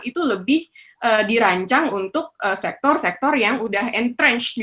itu lebih dirancang untuk sektor sektor yang sudah entrenched